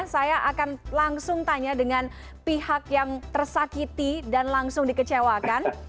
saya akan langsung tanya dengan pihak yang tersakiti dan langsung dikecewakan